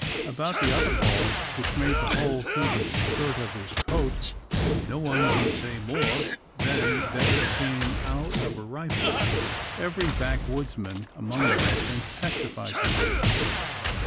About the other ball, which made the hole through the skirt of his coat, no one can say more than that it came out of a rifle. Every backwoodsman among them can testify to this.